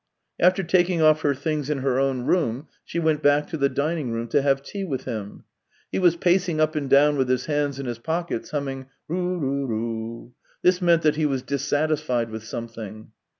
After taking off her things in her own room, she went back to the dining room to have tea with him. He was pacing up and down with his hands in his pockets, humming, "Ru ru ru"; this meant that he was dissatisfied with something.